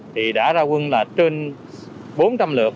thì đã ra quân là trên bốn trăm linh lượt